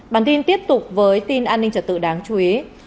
bản tin tiếp tục với tin an ninh trật tự đáng chú ý